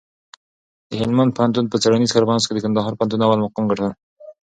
د هلمند پوهنتون په څېړنیز کنفرانس کي د کندهار پوهنتون اول مقام ګټل.